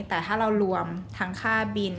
แต่ถ้าเรารวมทั้งค่าบิน